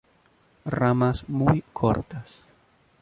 Ramas muy cortas.